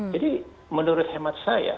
jadi menurut hemat saya